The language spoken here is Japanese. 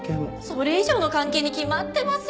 それ以上の関係に決まってますよ。